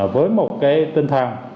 với một tinh thần